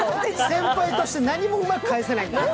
先輩として何もうまく返せないんだから。